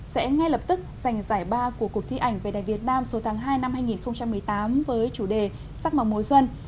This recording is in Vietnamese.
sẽ ngay lập tức giành giải ba của cuộc thi ảnh về đẹp việt nam số tháng hai năm hai nghìn một mươi tám với chủ đề sắc màu mối xuân